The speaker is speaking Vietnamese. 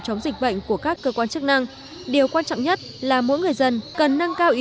chống dịch bệnh của các cơ quan chức năng điều quan trọng nhất là mỗi người dân cần nâng cao ý